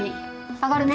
上がるね。